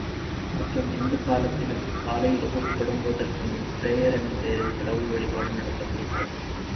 மற்றும், இந்தக் காலத்திலும், காலையில் வகுப்பு தொடங்குவதற்கு முன் பிரேயர் என்னும் பெயரில் கடவுள் வழிபாடு நடத்தப்படுகிறது.